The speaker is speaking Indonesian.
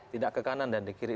tidak ke kanan dan di kiri